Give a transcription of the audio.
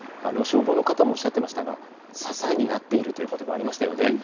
消防の方もおっしゃっていましたが支えになっているということば、ありましたよね。